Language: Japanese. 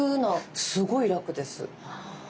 すごい楽です。